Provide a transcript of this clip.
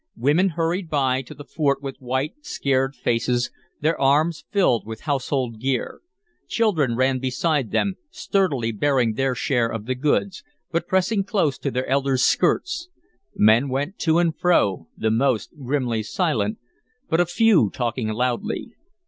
Women hurried by to the fort with white, scared faces, their arms filled with household gear; children ran beside them, sturdily bearing their share of the goods, but pressing close to their elders' skirts; men went to and fro, the most grimly silent, but a few talking loudly.